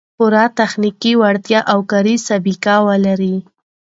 پوره تخنیکي وړتیا او کاري سابقه و لري